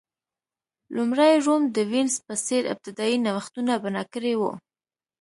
لومړی روم د وینز په څېر ابتدايي نوښتونه بنا کړي وو